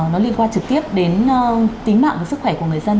nó liên quan trực tiếp đến tính mạng và sức khỏe của người dân